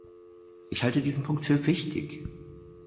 Ich halte diesen Punkt für wichtig.